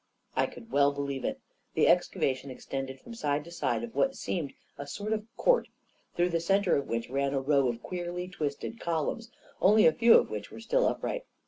I could well believe it. The excavation extended from side to side of what seemed a sort of court, through the centre of which ran a row of queerly twisted columns, only a few of which were still up right.